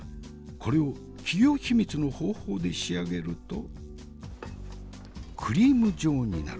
これを企業秘密の方法で仕上げるとクリーム状になる。